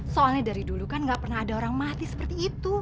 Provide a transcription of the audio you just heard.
soalnya dari dulu kan gak pernah ada orang mati seperti itu